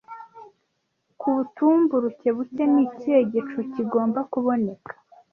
Ku butumburuke buke ni ikihe gicu kigomba kuboneka